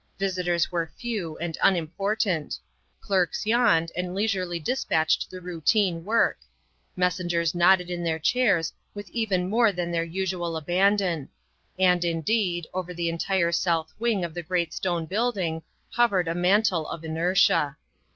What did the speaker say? Visitors were few and unimportant; clerks yawned and leisurely dispatched the routine work; messengers nodded in their chairs with even more than their usual abandon ; and, indeed, over the entire south wing of the great stone building hovered a mantle of inertia.